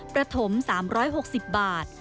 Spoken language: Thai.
ประถม๓๖๐บาท